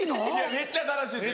めっちゃ楽しいです。